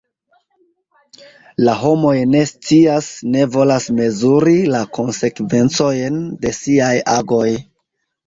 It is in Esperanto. La homoj ne scias, ne volas mezuri la konsekvencojn de siaj agoj.